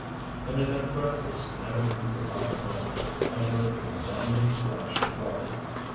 And in that breathless, never to be forgotten moment, I heard a resounding splash of water.